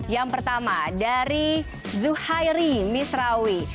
yang pertama dari zuhairi misrawi